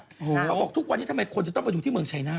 เขาบอกทุกวันนี้ทำไมคนจะต้องไปดูที่เมืองชายนาฏ